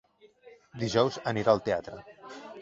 Dijous anirà al teatre.